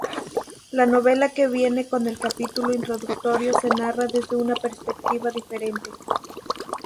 La novela que viene con el capítulo introductorio se narra desde una perspectiva diferente.